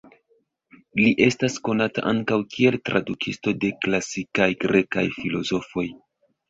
Li estas konata ankaŭ kiel tradukisto de klasikaj grekaj filozofoj.